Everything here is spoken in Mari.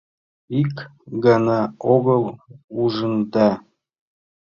Ик гана огыл ужында.